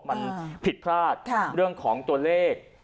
มันผิดพลาดเรื่องของตัวเลข